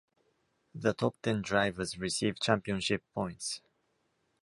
The top ten drivers receive championship points.